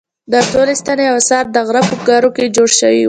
دا ټولې ستنې او اثار د غره په ګارو کې جوړ شوي وو.